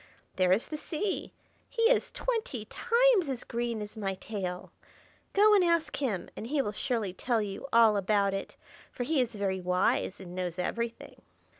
There is the Sea; he is twenty times as green as my tail. Go and ask him, and he will surely tell you all about it, for he is very wise and knows everything."